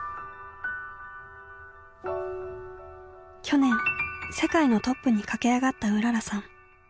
去年世界のトップに駆け上がったうららさん。